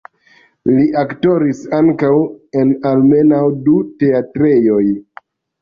Li aktoris ankaŭ en almenaŭ du teatrejoj.